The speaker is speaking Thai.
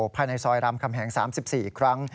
ภายในซอยรามคำแหง๓๔อีกครั้ง